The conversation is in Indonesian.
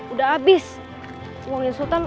udah abis uangnya sultan